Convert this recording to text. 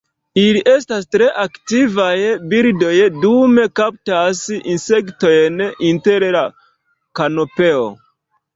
Ili estas tre aktivaj birdoj dum kaptas insektojn inter la kanopeo.